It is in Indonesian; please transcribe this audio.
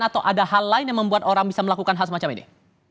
atau ada hal lain yang membuat orang bisa melakukan hal semacam ini